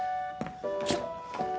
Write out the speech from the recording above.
ちょっと。